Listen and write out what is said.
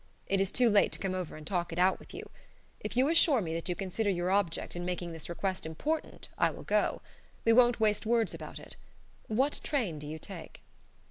It is too late to come over and talk it out with you. If you assure me that you consider your object in making this request important I will go. We won't waste words about it. What train do you take?"